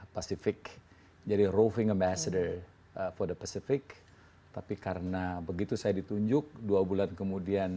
pasifik jadi roving ambassador for the pacific tapi karena begitu saya ditunjuk dua bulan kemudian